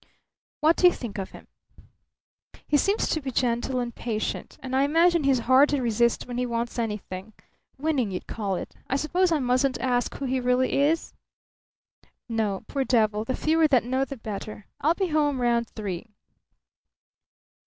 "What do you think of him?" "He seems to be gentle and patient; and I imagine he's hard to resist when he wants anything. Winning, you'd call it. I suppose I mustn't ask who he really is?" "No. Poor devil. The fewer that know, the better. I'll be home round three."